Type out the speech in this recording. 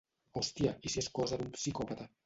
Hòstia, i si és cosa d'un psicòpata?